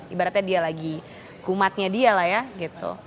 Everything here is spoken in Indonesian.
ibaratnya dia lagi kumatnya dia lah ya gitu